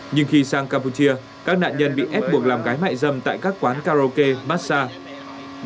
nhưng khi sang campuchia các nạn nhân bị ép buộc làm gái mại dâm tại các quán karaoke massage